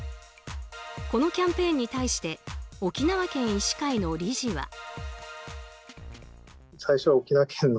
このキャンペーンに対して沖縄県医師会の理事は。